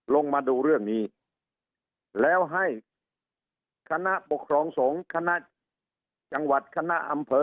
ลงมาดูเรื่องนี้แล้วให้คณะปกครองสงฆ์คณะจังหวัดคณะอำเภอ